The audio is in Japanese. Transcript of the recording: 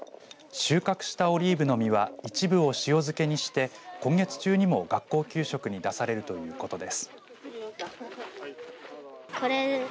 収穫したオリーブの実は一部を塩漬けにして今月中にも学校給食に出されるということです。